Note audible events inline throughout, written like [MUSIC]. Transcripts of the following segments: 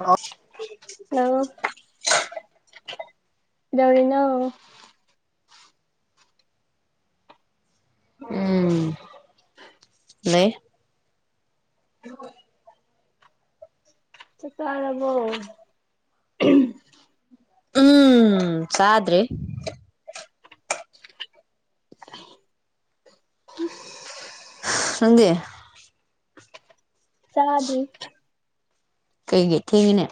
ꯑ ꯍꯜꯂꯣ ꯏꯗꯎꯅꯤꯅ ꯎꯝ [INAUDIBLE] ꯄ꯭ꯂꯦ ꯆꯠꯇꯔꯔꯕꯣ ꯎꯝ ꯆꯗ꯭ꯔꯤ ꯎ ꯅꯪꯗꯦ ꯆꯥꯗ ꯀꯩ ꯀꯩ ꯊꯦꯡꯉꯅꯦ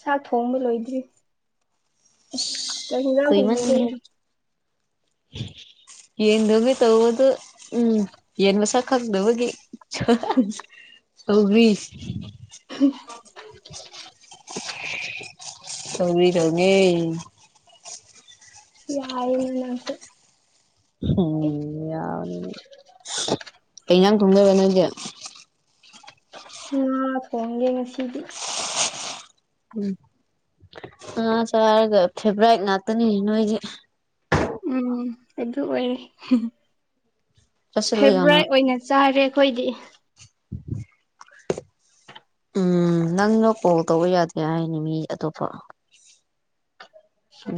ꯆꯥꯛ ꯊꯣꯡꯕ ꯂꯣꯏꯗ꯭ꯔꯤ ꯀꯩꯅ ꯉ ꯊꯒꯦ ꯌꯦꯟꯗꯒꯤ ꯇꯧꯕꯗꯨ ꯎꯝ ꯌꯦꯟ ꯃꯁꯛ ꯈꯪꯗꯕꯒꯤ ꯆꯕꯤꯤꯁ [INAUDIBLE] ꯇꯧ ꯇꯉ ꯌꯥꯏ ꯃꯅꯁꯦ ꯎꯝ ꯌꯥꯅꯤ ꯑꯩꯖꯥꯡ ꯊꯨꯝꯖꯔ ꯅꯣꯏꯁꯦ ꯃꯥ ꯐꯣꯡꯣꯡꯒꯦ ꯉ ꯁꯤꯗꯤ ꯎꯝ ꯉꯥ ꯆꯥꯔꯒ ꯐꯦꯚ꯭ꯔꯥꯏꯠ ꯉꯥꯛꯇꯅꯤ ꯅꯣꯏꯁꯦ ꯎꯝ ꯑꯗꯨ ꯑꯣꯏꯔꯦ ꯆꯠꯁꯤꯜꯂꯨ ꯌꯥꯎꯅ ꯐꯦꯚꯣꯔꯥꯏꯠ ꯑꯣꯏꯅ ꯆꯥꯔꯦ ꯑꯩꯈꯣꯏꯗꯤ [INAUDIBLE] ꯎꯝ ꯅꯪꯅ ꯀꯣꯜ ꯇꯧꯕ ꯌꯥꯗꯦ ꯍꯥꯏꯅꯤ ꯃꯤ ꯑꯇꯣꯞꯄ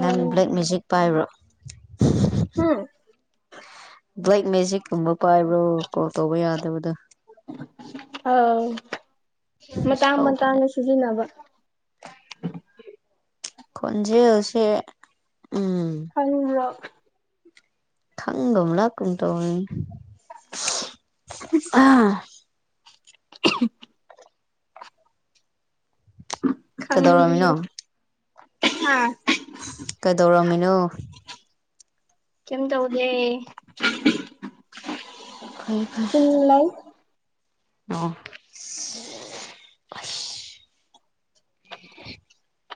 ꯅꯪ ꯑꯧ ꯕ꯭ꯂꯦꯛ ꯃꯦꯖꯤꯛ ꯄꯥꯏꯕ꯭ꯔꯣ ꯎꯝ ꯕ꯭ꯂꯥꯏꯛ ꯃꯦꯖꯤꯛꯀꯨꯝꯕ ꯄꯥꯏꯕ꯭ꯔꯣ ꯀꯣꯜ ꯇꯧꯕ ꯌꯥꯗꯕꯗ ꯑꯥꯎ ꯃꯇꯥꯡ ꯃꯇ ꯇꯥꯡꯅ ꯁꯤꯖꯤꯟꯅꯕ ꯈꯖꯦ ꯍꯧꯁꯦ ꯎꯝ ꯎ꯭ꯔꯛ ꯈꯪꯒꯝ ꯂꯥꯛꯀꯟ ꯇꯅꯤ ꯈꯪꯕꯤꯌꯨ ꯀꯩꯗꯧꯔꯝꯃꯤꯅꯣ ꯍꯥ ꯀꯩꯗꯧꯔꯝꯃꯤꯅꯣ ꯀꯝ ꯇꯧꯗꯦ ꯐꯔꯦ ꯐꯔꯦ ꯁꯨꯝ ꯂꯩ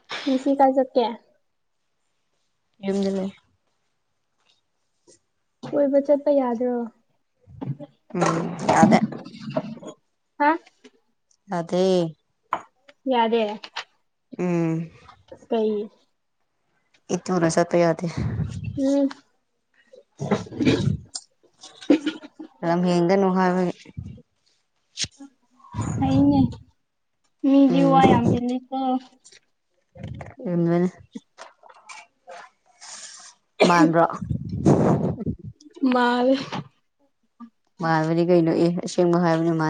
ꯑ [INAUDIBLE] ꯉꯁꯤ ꯀ ꯆ ꯀꯦ ꯌꯨꯝꯖ ꯂꯩ ꯀꯣꯏꯕ ꯆꯠꯄ ꯌꯥꯗ꯭ꯔꯣ ꯎꯝ ꯑꯗꯦ ꯍꯥ ꯑꯗꯦ ꯌꯥꯗꯦꯔ ꯎꯝ ꯀꯩ ꯏꯠꯇꯅ ꯁꯠꯇ ꯌꯥꯗꯦ ꯎꯝ ꯅ ꯍꯗꯅꯅꯨꯡ ꯍꯥꯏꯥꯏꯕ ꯑꯩꯅꯦ ꯃꯤ ꯌ ꯎꯝ ꯋꯥ ꯌꯥꯝ ꯏꯂ ꯇ ꯅꯦ ꯃꯥꯟꯥꯟꯕ꯭ꯔꯣ ꯐꯜ ꯃꯥꯕꯗꯤ ꯀꯩꯅꯣ ꯑꯦ ꯑꯁꯦꯡꯕ ꯍꯥꯏꯕꯅꯤ ꯃꯥ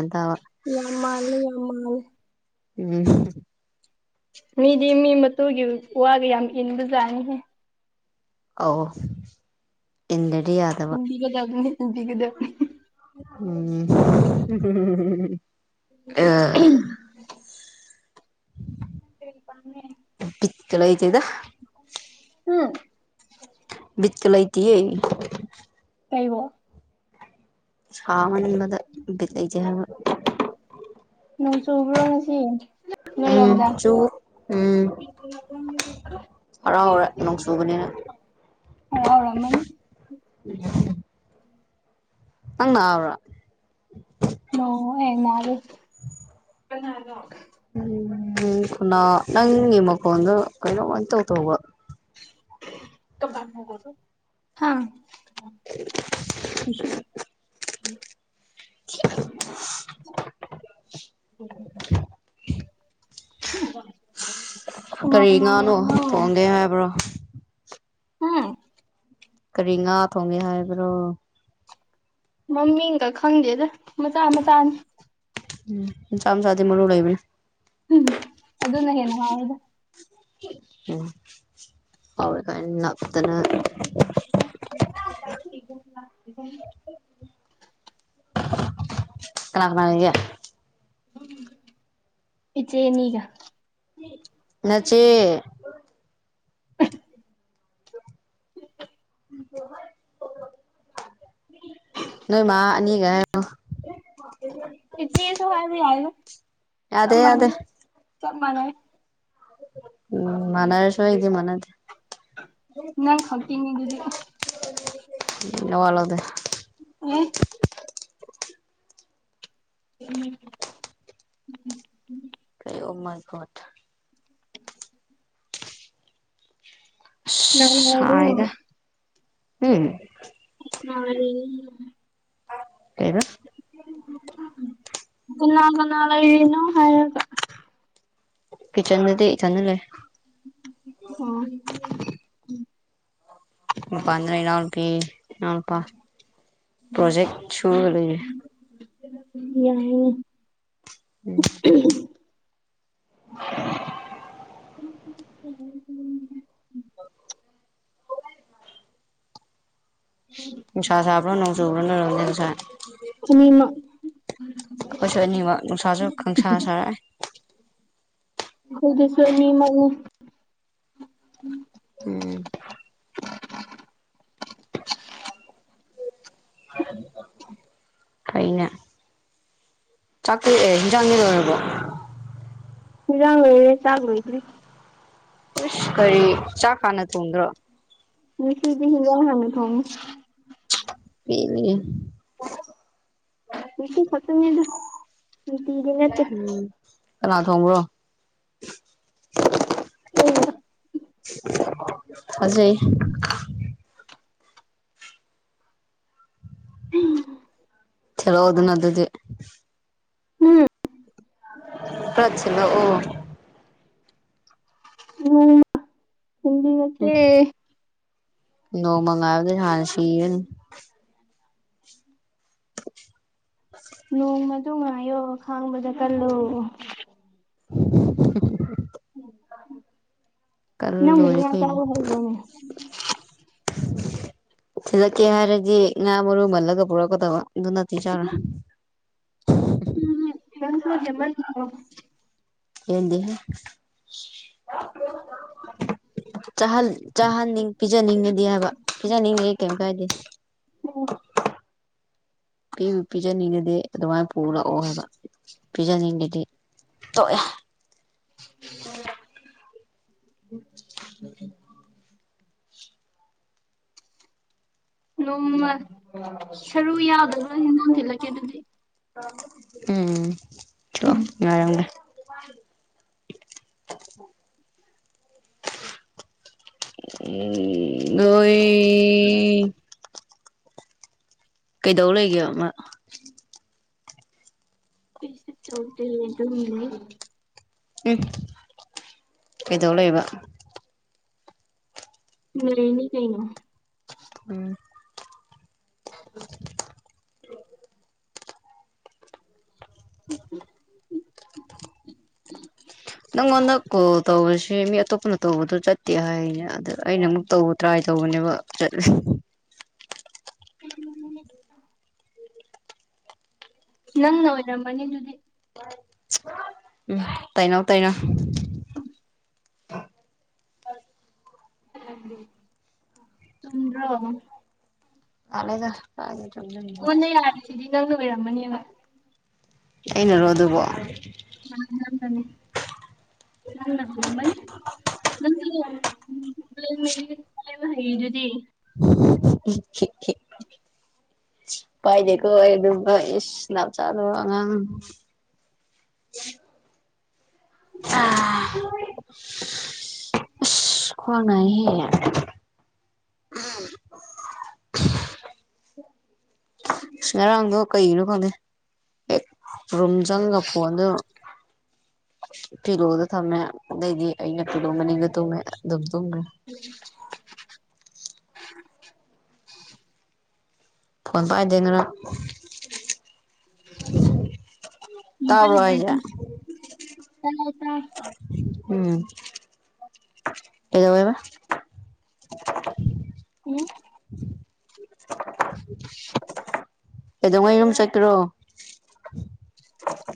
ꯌꯥꯝ ꯃꯥꯜ ꯌꯥꯝ ꯃꯥꯂ ꯎꯝ ꯃꯤꯗꯤ ꯃꯤ ꯃꯇꯨꯒꯤ ꯋꯥꯒ ꯌꯥꯝ ꯏꯟꯕꯖꯥꯅꯤꯍꯦ ꯑ ꯏꯟꯪꯂ ꯀꯔꯤꯗꯕ ꯏꯟꯕꯤꯒꯗꯕꯅꯤ ꯏꯟꯕꯤꯒꯗꯕꯅꯤ ꯎꯝ ꯑ ꯎꯝ ꯕꯤꯠꯀ ꯂꯩꯇꯦꯗ ꯎꯝ ꯀꯏ ꯀꯔꯤꯕ ꯁꯕꯅꯕꯗꯗ ꯂꯩꯖꯦ ꯍꯥꯏꯕ ꯅꯣꯡ ꯆꯨꯕ꯭ꯔꯣ ꯉꯁꯤ ꯎꯝ ꯅꯣꯏꯔꯣꯝꯗ ꯆ ꯎꯝ ꯍꯔꯥꯎꯔꯦ ꯅꯣꯡ ꯆꯨꯕꯅꯤꯅ ꯔꯥꯎ ꯔꯃꯟ ꯅꯪꯅ꯭ꯔ ꯑꯣꯟꯅꯔ ꯎꯝ ꯈꯨꯅꯥ ꯅꯪꯒꯤ ꯃꯈꯣꯟꯗꯣ ꯀꯩꯅꯣꯝꯃꯅ ꯇꯧ ꯇꯧꯕ [UNINTELLIGIBLE] ꯀꯁꯤ [UNINTELLIGIBLE] ꯎ ꯀꯅꯥ ꯀꯔꯤ ꯀꯅꯥ ꯂꯩ ꯉꯥꯅꯣ ꯊꯣꯡꯒꯦ ꯍꯥꯏꯕ꯭ꯔꯣ ꯎꯝ ꯀꯔꯤ ꯉꯥ ꯊꯣꯡꯒꯦ ꯍꯥꯏꯕ꯭ꯔꯣ ꯃꯃꯤꯡꯒ ꯈꯪꯗꯦꯗ ꯃꯆꯥ ꯃꯆꯥꯅꯤ ꯆꯝ ꯁꯥ ꯃꯅ ꯂꯩꯣꯏꯕꯤ ꯝ ꯑꯗꯨꯗꯅ ꯍꯦꯅ ꯍꯥꯎꯗ ꯎꯝ ꯍꯔ ꯀ ꯏ ꯑꯗꯨꯅ ꯂꯥꯛ ꯀꯅꯥ ꯀꯅꯥ ꯂꯩꯒꯦ ꯏꯆꯦꯅꯤꯒ ꯅꯆꯦ ꯎ ꯅꯣꯏ ꯃꯥ ꯑꯅꯤꯒ ꯏꯆꯂꯤꯁꯨ ꯍꯥꯏꯏ ꯌꯥ ꯇ ꯌꯥꯗꯦ ꯃꯅꯤ ꯌꯥꯗꯦ ꯆꯞ ꯃꯅꯦ ꯎꯝ ꯃꯅꯥ ꯔꯁꯨ ꯏꯗꯦ ꯃꯅꯦꯗꯤ ꯅꯪ ꯈꯛꯇꯤꯅꯤ ꯑꯗꯨꯗꯤ ꯋꯥꯂꯗ ꯎꯝ ꯎꯝ ꯀꯩ ꯃꯔ ꯈꯠ ꯅꯪꯅꯕꯨ ꯍꯥꯏꯒ ꯎꯝ [UNINTELLIGIBLE] ꯀꯗ ꯀꯅꯥ ꯀꯅꯥ ꯂꯩꯔꯤꯅꯣ ꯍꯥꯏ ꯀꯤꯆꯟ ꯃꯗꯤ ꯆꯅꯂꯦ ꯍ ꯏꯄꯥꯗ꯭ꯔ ꯏꯅꯥꯎꯂꯄꯤꯎꯂꯄꯥ ꯄ꯭ꯔꯣꯖꯦꯛꯦꯛ ꯁ ꯌꯥꯏ ꯎꯝ [UNINTELLIGIBLE] [UNINTELLIGIBLE] ꯎꯁꯥ ꯁꯥꯕꯔꯣ ꯅꯣꯡ ꯆꯣꯅꯦ ꯑꯗꯨꯁꯥ ꯑꯅꯤꯃꯛ ꯑꯩꯈꯣꯏꯁꯨ ꯑꯅꯤꯃꯛ ꯅꯨꯡꯁꯥꯁꯨ ꯈꯪꯁꯥ ꯁꯥꯔꯛꯑꯦ ꯍꯗ ꯁꯅꯤꯃ ꯎꯝ ꯐꯩꯅ ꯆꯥꯛꯇꯑꯦ ꯍꯟꯖꯥꯡꯅꯤ ꯂꯣꯏꯔꯕꯣ ꯃꯔꯥꯡ ꯂꯩꯅꯦ ꯆꯥꯛ ꯂꯣꯏꯗꯔꯤ ꯈꯔꯤ ꯆꯥ ꯈꯅ ꯊꯣꯡꯗ꯭ꯔꯣ ꯃꯤꯁꯤꯗꯤ ꯍꯗ ꯍꯅ ꯊ ꯄꯅꯤꯦ ꯁꯤ ꯈꯠꯇꯅꯤ ꯑꯗꯨ ꯝ ꯀꯅꯥ ꯊꯣꯡꯕ꯭ꯔꯣ ꯑꯣ ꯑꯖꯣꯏ ꯎꯝ ꯆꯂꯣ ꯍ ꯑꯗꯨꯅ ꯑꯗꯨꯗꯤ ꯎꯝ ꯄꯁꯤꯅ ꯑꯣ ꯑꯣꯝ ꯅꯣꯡ ꯃꯒꯕꯗꯤ ꯍꯅ ꯁꯤ ꯅꯣꯡꯃꯗ ꯉꯥꯏꯌꯣ ꯈꯥꯡꯕꯗ ꯀꯜꯂꯨ [UNINTELLIGIBLE] [UNINTELLIGIBLE] ꯀꯜ ꯅ ꯃꯨ ꯂꯣꯏꯔꯦ ꯏ ꯀꯩꯅꯣ ꯆꯔꯨ ꯍꯥꯏꯕꯅꯦ ꯊꯤꯜꯂꯛꯀꯦ ꯍꯥꯏꯔꯗꯤ ꯉꯥ ꯃꯔꯨꯝ ꯍꯜꯂꯒ ꯄꯨꯔꯛꯀꯗꯕ ꯑꯗꯨ ꯅꯠꯇꯦ ꯆꯥꯔ ꯍ ꯅꯟꯁꯨ ꯍꯦꯃꯟ ꯀꯗꯤ ꯍ ꯆꯍꯟꯅꯤꯡ ꯄꯤꯖꯅꯤꯡꯉꯗꯤ ꯍꯥꯏꯕ ꯄꯤꯖꯅꯤꯡꯉꯗꯤ ꯀꯩꯝ ꯀꯥꯏꯗꯦ ꯑꯣ ꯄꯤꯕꯨ ꯄꯤꯖꯅꯤꯡꯉꯤꯗꯤ ꯑꯗꯨꯃꯥꯏꯅ ꯄꯨꯔꯛꯑꯣ ꯍꯥꯏꯕ ꯄꯤꯖꯅꯤꯡꯉꯗꯤ ꯇꯑꯦ ꯎꯝ ꯅꯣꯡꯃ ꯁꯔꯨ ꯌꯥꯎꯗꯕ ꯍꯖꯣꯡ ꯊꯤꯜꯂꯛꯀꯦ ꯑꯗꯨꯗꯤ ꯎꯝ ꯆꯣ ꯉꯔꯗꯦ [UNINTELLIGIBLE] ꯎ ꯅꯣꯏ ꯀꯩꯗꯧ ꯂꯩꯒꯦ ꯑꯃ ꯄꯁ ꯇꯧꯗ ꯑꯗꯨ ꯂꯩ ꯎꯝ ꯏꯗꯣꯂ ꯏꯕ ꯅꯅꯤ ꯅꯩꯅ ꯎꯝ [UNINTELLIGIBLE] [UNINTELLIGIBLE] [UNINTELLIGIBLE] ꯅꯪꯉꯣꯟꯗꯛ ꯀꯣ ꯇꯧꯕꯁꯤ ꯁꯤ ꯃꯤ ꯑꯇꯣꯞꯄꯅ ꯇꯧꯕꯗꯣ ꯆꯠꯇꯦ ꯍꯥꯏꯅꯦ ꯑꯗ ꯑꯩꯅ ꯑꯃꯨꯛ ꯇꯧꯕ ꯇ꯭ꯔꯥꯏ ꯇꯧꯕꯅꯦꯕ ꯆꯠꯂ [UNINTELLIGIBLE] ꯅꯪ ꯅꯧ ꯅ ꯃꯅꯤꯗꯨꯗꯤ ꯎꯝ ꯇꯩꯅꯧ ꯇꯩꯅꯣ ꯆꯨꯝꯗ꯭ꯔ ꯅꯂꯦ ꯑꯗꯨ ꯍꯥꯏ ꯍꯟꯅ ꯌꯥꯔꯤꯁꯤꯗꯤ ꯅꯪꯅ ꯑꯣꯏꯔꯝꯃꯅꯦꯕ ꯑꯩꯅꯔꯣ ꯑꯗꯨꯕ ꯑꯝ ꯊꯅꯤ ꯅ ꯃꯗꯤ ꯍꯩꯗꯨꯗꯤ [UNINTELLIGIBLE] ꯄꯥꯏꯗꯀꯣ ꯑꯦ ꯑꯗꯨꯁ ꯂꯅꯥꯞꯆꯗꯨ ꯑꯉꯥꯡ ꯎ ꯑꯥ ꯈꯋꯥꯡꯅꯍꯦ ꯑ ꯉꯔꯥꯡꯗꯣ ꯀꯩꯒꯤꯅꯣ ꯈꯪꯗꯦ ꯔꯨꯝ ꯆꯪꯉꯒ ꯐꯣꯟꯗꯨ ꯐꯤꯂꯣꯗ ꯊꯝꯃꯦ ꯑꯗꯩꯗꯤ ꯑꯩꯅ ꯄꯨ ꯂꯣꯡꯕꯅꯤꯒ ꯇꯨꯝꯉꯦ ꯑꯗꯨꯝ ꯇꯨꯝꯈ꯭ꯔꯦ [UNINTELLIGIBLE] ꯐꯣꯟ ꯄꯥꯏꯗꯦ ꯉꯅ [UNINTELLIGIBLE] [UNINTELLIGIBLE] ꯎꯝ ꯑꯦꯗꯕꯕ ꯎꯝ [UNINTELLIGIBLE] ꯀꯩꯗꯧꯉꯩ ꯑꯗꯨꯨꯝ ꯆꯠꯈ꯭ꯔꯣ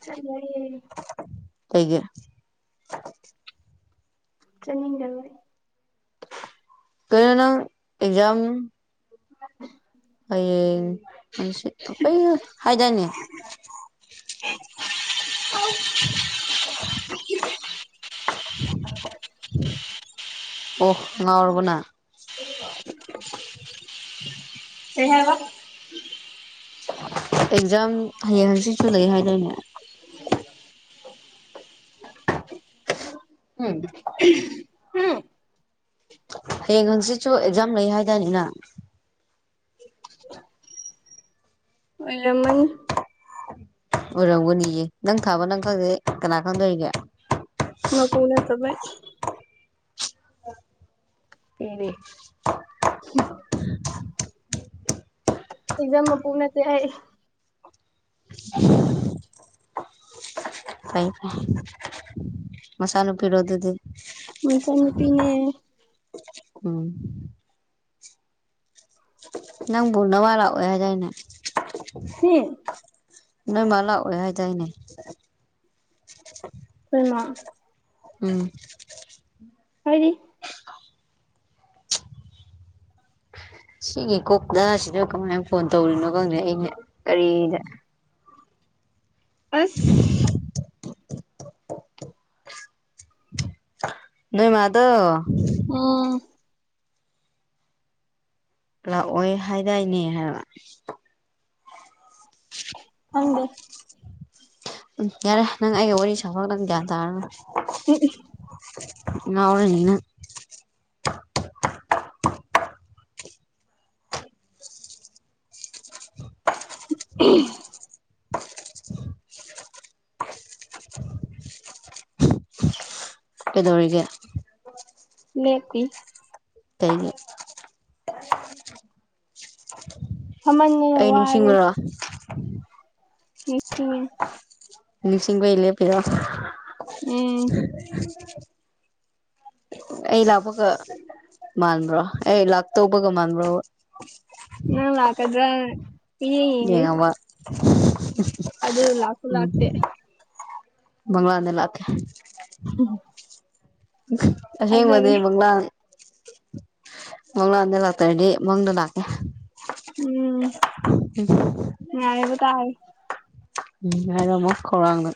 ꯍ ꯑꯩꯒꯤ ꯆꯅꯤꯗꯣꯏ ꯀꯩꯅꯅ ꯑꯦꯛꯖꯝ ꯎ ꯍꯌꯦ ꯑꯩ ꯍꯥꯏꯗꯥꯅꯤ ꯑ [UNINTELLIGIBLE] ꯑꯣꯍ ꯉꯔꯒꯅ ꯏꯍꯕ ꯑꯦꯛꯖꯥꯝ ꯍꯌꯦꯡ ꯍꯪꯆꯤꯁꯨ ꯂꯩ ꯍꯥꯏꯗꯣꯏꯅꯦ [UNINTELLIGIBLE] ꯎꯝ ꯍꯨꯝ ꯍꯌꯦꯡ ꯍꯥꯡꯆꯤꯠꯁꯨ ꯑꯦꯛꯖꯥꯝ ꯂꯩ ꯍꯥꯏꯗꯥꯏꯅꯦ ꯅꯪ ꯑꯣꯏꯔꯃꯅꯤ꯫ ꯑꯣꯏꯔꯝꯒꯅꯤꯌꯦ ꯅꯪ ꯊꯥꯕ ꯅꯪ ꯈꯪꯗꯗꯤ ꯀꯅꯥ ꯈꯪꯗꯣꯔꯤꯒꯦ ꯃꯄꯨꯅ ꯇꯝꯃꯩ ꯄꯦꯜꯂꯤ ꯑꯦꯛꯖꯥꯝ ꯃꯄꯨ ꯅꯠꯇꯦ ꯑꯩ ꯐꯩ-ꯐꯩ ꯃꯆꯥꯅꯨꯄꯤꯔꯣ ꯑꯗꯨꯗꯤ ꯃꯆꯥꯅꯨꯄꯤꯅꯦ ꯎꯝ ꯅꯪꯕꯨ ꯅꯋꯥ ꯂꯥꯛꯑꯣꯏ ꯍꯥꯏꯗꯥꯏꯅꯦ ꯍꯨꯡ ꯅꯣꯏꯃꯥ ꯂꯥꯛꯑꯣꯏ ꯍꯥꯏꯗꯥꯏꯅꯦ ꯑꯩꯈꯣꯏꯃꯥ ꯎꯝ ꯍꯥꯏꯗꯤ [INAUDIBLE] ꯁꯤꯒꯤ ꯀꯣꯛꯇ ꯁꯤꯗ ꯀꯃꯥꯏꯅ ꯐꯣꯟ ꯇꯧꯔꯤꯅꯣ ꯈꯪꯗꯦ ꯑꯩ ꯉꯛꯑꯦ꯫ ꯀꯔꯤꯗ ꯑꯁꯁ ꯅꯣꯏ ꯃꯥꯗꯣ ꯎꯝ ꯂꯥꯛꯑꯣꯏ ꯍꯥꯏꯗꯥꯏꯅꯦ ꯍꯥꯏꯕ꯫ ꯈꯪꯗꯦ ꯎꯝ ꯌꯥꯔꯦ ꯅꯪ ꯑꯩꯒ ꯋꯥꯔꯤ ꯁꯥꯕ ꯅꯪ ꯒ꯭ꯌꯥꯟ ꯇꯥꯔꯔꯣꯏ꯫ ꯑꯦꯑꯦ ꯉꯥꯎꯔꯅꯤ ꯅꯪ [INAUDIBLE] [UNINTELLIGIBLE] [INAUDIBLE] ꯀꯩꯗꯧꯔꯤꯒꯦ꯫ ꯂꯦꯞꯄꯤ꯫ ꯀꯩꯅꯤ ꯐꯝꯃꯟꯗꯅ ꯑꯩ ꯅꯤꯡꯁꯤꯡꯕꯔꯣ꯫ ꯅꯤꯡꯁꯤꯡꯉꯦ꯫ ꯅꯤꯁꯤꯡꯕ ꯩ ꯂꯦꯄꯤꯔꯣ ꯎꯝ ꯑꯩ ꯂꯥꯛꯄꯒ ꯃꯥꯟꯕ꯭ꯔꯣ꯫ ꯑꯩ ꯂꯥꯛꯇꯧꯕꯒ ꯃꯥꯟꯕ꯭ꯔꯣꯕ꯫ ꯅꯪ ꯂꯥꯛꯀꯗ꯭ꯔꯥ ꯄꯨꯡꯌꯦꯡ ꯌꯦꯡꯂꯤ ꯌꯦꯡꯉꯕ ꯑꯗꯨ ꯂꯥꯛꯁꯨ ꯎꯝ ꯂꯥꯛꯇꯦ꯫ ꯃꯪꯂꯥꯟꯗ ꯂꯥꯛꯀꯦ꯫ ꯍꯨꯝ ꯑꯁꯦꯡꯕꯗꯤ ꯃꯪꯂꯥꯟ ꯃꯪꯂꯥꯟꯗ ꯂꯥꯛꯇ꯭ꯔꯗꯤ ꯃꯪꯗ ꯂꯥꯛꯀꯦ꯫ ꯎꯝ ꯌꯥꯔꯦꯕ ꯇꯥꯔꯦ꯫ ꯎꯝ ꯉꯥꯏꯔꯝꯃꯣ ꯈꯧꯔꯥꯡꯅ꯫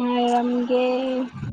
ꯉꯥꯏꯔꯝꯒꯦ꯫